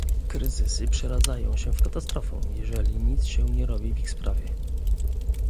Kryzysy przeradzają się w katastrofę, jeżeli nic się nie robi w ich sprawie